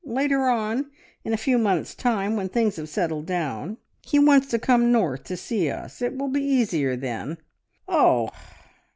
Later on, in a few months' time, when things have settled down, he wants to come north to see us. It will be easier then..." "Oh!"